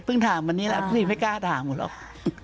เพิ่งถามวันนี้แล้วพี่ไม่กล้าถามหรอก